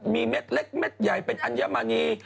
มีเม็ดเล็กเม็ดใหญ่เป็นอัญมณี